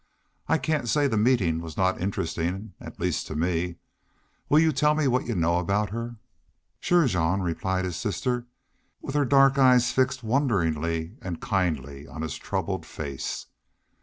I can't say the meetin' was not interestin', at least to me.... Will you tell me what you know about her?" "Sure, Jean," replied his sister, with her dark eyes fixed wonderingly and kindly on his troubled face.